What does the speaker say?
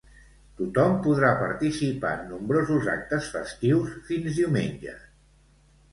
Tothom podrà participar en nombrosos actes festius fins diumenge.